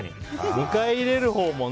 迎え入れるほうもね